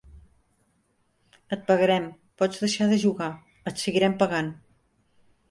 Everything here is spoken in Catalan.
Et pagarem, pots deixar de jugar, et seguirem pagant!